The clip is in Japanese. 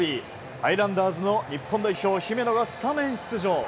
ハイランダーズの日本代表姫野がスタメン出場。